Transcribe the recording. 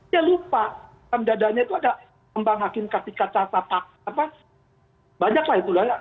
dia lupa dalam dadanya itu ada ambang hakim kata kata apa banyak lah itu lah